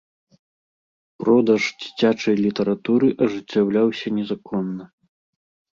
Продаж дзіцячай літаратуры ажыццяўляўся незаконна.